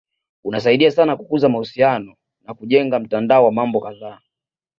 Unasaidia sana kukuza mahusiano na kujenga mtandao wa mambo kadhaa